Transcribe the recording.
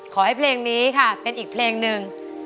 เพลงนี้ค่ะเป็นอีกเพลงหนึ่ง